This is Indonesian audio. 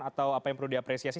atau apa yang perlu diapresiasi